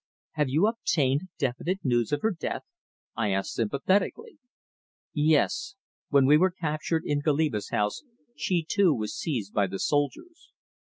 "Have you obtained definite news of her death?" I asked sympathetically. "Yes. When we were captured in Goliba's house, she, too, was seized by the soldiers.